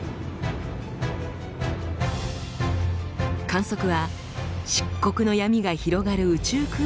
観測は漆黒の闇が広がる宇宙空間で行われました。